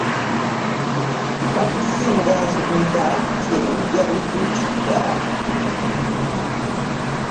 Bakusinga nsumika nti ebijja bituutiira.